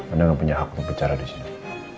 anda gak punya hak untuk bicara disini